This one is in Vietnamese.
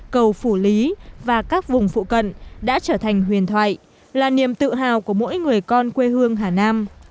cầu phủ lý và các vùng phụ cận đã trở thành huyền thoại là niềm tự hào của mỗi người con quê hương hà nam